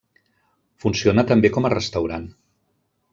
Funciona també com a restaurant.